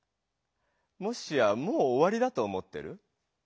もしやもうおわりだと思ってる？